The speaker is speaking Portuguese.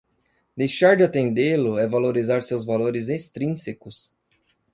Deixar de atendê-lo é valorizar seus valores extrínsecos